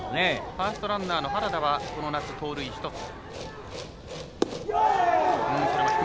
ファーストランナーの原田はこの夏、盗塁１つ。